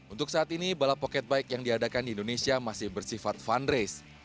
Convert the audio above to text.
untuk saat ini balap pocket bike yang diadakan di indonesia masih bersifat fundrace